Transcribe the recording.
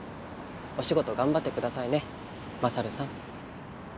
お仕事頑張ってくださいね勝さん。